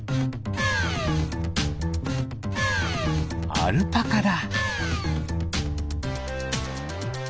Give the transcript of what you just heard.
アルパカだ。